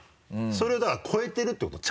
それをだから越えてるってこと？